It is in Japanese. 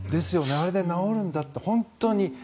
あれで治るんだったら本当に。